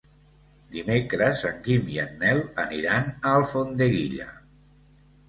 Dimecres en Guim i en Nel aniran a Alfondeguilla.